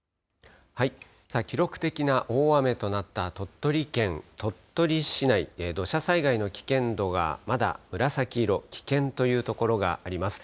記録的な大雨となった鳥取県鳥取市内、土砂災害の危険度が、まだ紫色、危険という所があります。